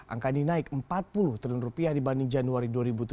angka ini naik rp empat puluh triliun dibanding januari dua ribu tujuh belas